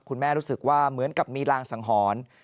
รู้สึกว่าเหมือนกับมีรางสังหรณ์